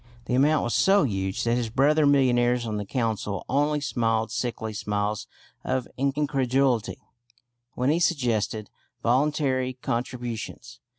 The amount was so huge that his brother millionaires on the Council only smiled sickly smiles of incredulity when he suggested "voluntary contributions."